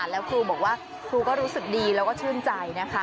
แล้วครูบอกว่าครูก็รู้สึกดีแล้วก็ชื่นใจนะคะ